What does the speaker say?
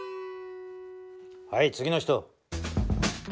はい次の人。